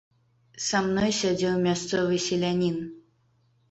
Са мной сядзеў мясцовы селянін.